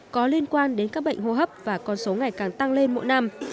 có liên quan đến các bệnh hô hấp và con số ngày càng tăng lên mỗi năm